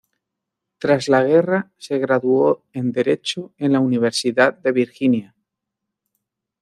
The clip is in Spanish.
Tras la guerra se graduó en Derecho en la Universidad de Virginia.